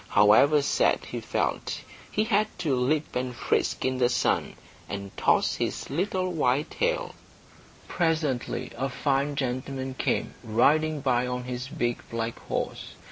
However sad he felt, he had to leap and frisk in the sun, and toss his little white tail. Presently a fine gentleman came riding by on his big black horse.